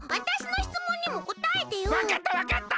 わかったわかった。